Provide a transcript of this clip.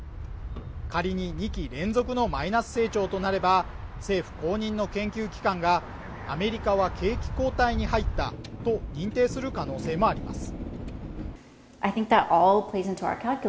仮に２期連続のマイナス成長となれば政府公認の研究機関がアメリカは景気後退に入ったと認定する可能性もあります